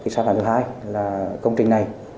sáng tạo thứ hai là công trình này